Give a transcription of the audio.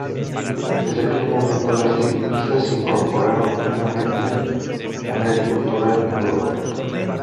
Desde aquel momento, las islas se incorporaron plenamente al área cultural europea.